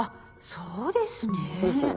そうですよね。